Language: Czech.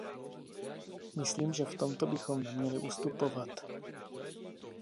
Myslím, že v tomto bychom neměli ustupovat.